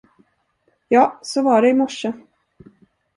Ja, så var det i morse!